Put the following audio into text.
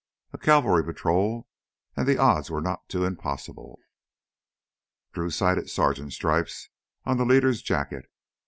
A cavalry patrol ... and the odds were not too impossible. Drew sighted sergeant's stripes on the leader's jacket.